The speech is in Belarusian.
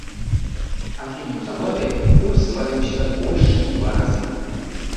Але неўзабаве курс зваліўся больш чым у два разы.